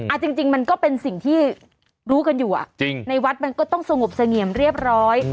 จริงมันก็เป็นสิ่งที่รู้กันอยู่อ่ะจริงในวัดมันก็ต้องสงบเสงี่ยมเรียบร้อย